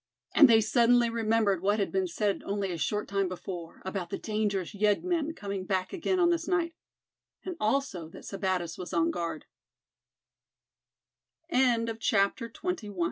And they suddenly remembered what had been said only a short time before, about the dangerous yeggmen coming back again on this night. And also that Sebattis was on guard. CHAPTER XXII. THE NIGHT ALARM.